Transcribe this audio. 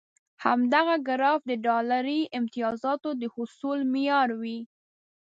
همدغه ګراف د ډالري امتیازاتو د حصول معیار وي.